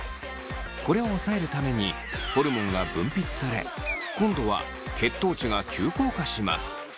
これを抑えるためにホルモンが分泌され今度は血糖値が急降下します。